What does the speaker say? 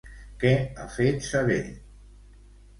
Què ha fet saber?